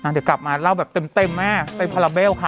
เดี๋ยวกลับมาเล่าแบบเต็มแม่ไปพาราเบลค่ะ